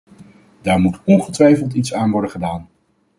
Daar moet ongetwijfeld iets aan worden gedaan.